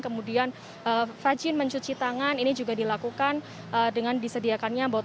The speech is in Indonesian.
kemudian rajin mencuci tangan ini juga dilakukan dengan disediakannya